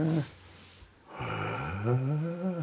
へえ。